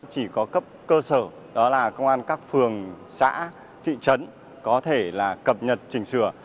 chỉ có cấp cơ sở đó là công an các phường xã thị trấn có thể là cập nhật chỉnh sửa